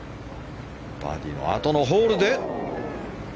バーディーのあとのホールで。